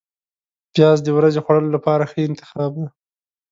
پیاز د ورځې خوړلو لپاره ښه انتخاب دی